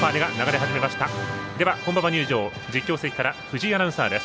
本馬場入場、実況席から藤井アナウンサーです。